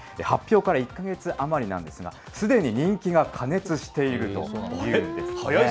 発表から１か月余りなんですが、すでに人気が過熱しているというんですね。